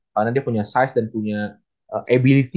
karena dia punya size dan punya ability